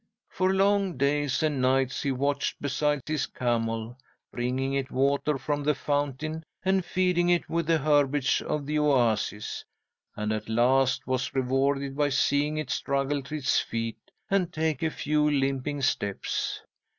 "'For long days and nights he watched beside his camel, bringing it water from the fountain and feeding it with the herbage of the oasis, and at last was rewarded by seeing it struggle to its feet and take a few limping steps.